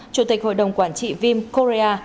chủ tịch hội đồng quản trị vim korea